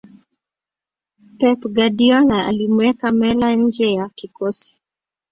pep guardiola alimuweka muller nje ya kikosi